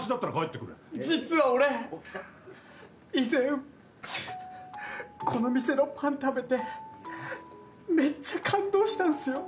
実は俺以前この店のパン食べてめっちゃ感動したんすよ。